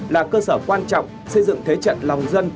là cơ sở quan trọng xây dựng thế trận lòng dân